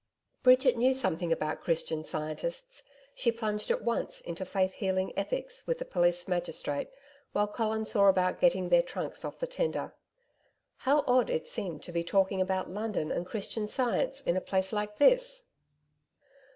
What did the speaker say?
Bridget knew something about Christian Scientists. She plunged at once into faith healing ethics with the police magistrate, while Colin saw about getting the trunks off the tender. How odd it seemed to be talking about London and Christian science in a place like this!